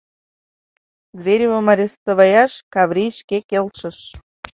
Зверевым арестоваяш Каврий шке келшыш.